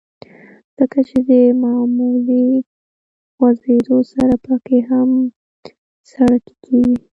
ځکه چې د معمولي خوزېدو سره پکښې هم څړيکې کيږي